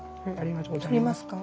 取りますか？